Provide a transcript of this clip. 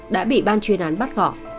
đã bị ban chuyên án bắt gõ